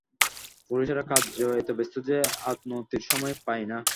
পুরুষেরা কার্যে এত ব্যস্ত যে আত্মোন্নতির সময় পায় না।